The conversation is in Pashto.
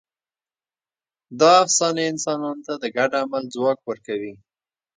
دا افسانې انسانانو ته د ګډ عمل ځواک ورکوي.